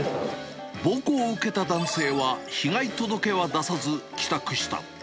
暴行を受けた男性は、被害届は出さず、帰宅した。